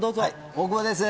大久保です。